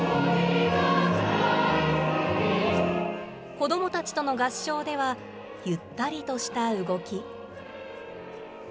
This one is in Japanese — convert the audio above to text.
子どもたちとの合唱では、ゆったりとした動き。